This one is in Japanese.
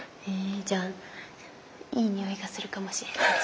じゃあいい匂いがするかもしれないです